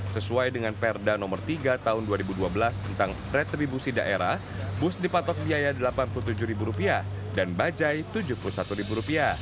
sesuai dengan perda no tiga tahun dua ribu dua belas tentang retribusi daerah bus dipatok biaya rp delapan puluh tujuh dan bajai rp tujuh puluh satu